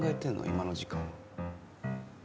今の時間は。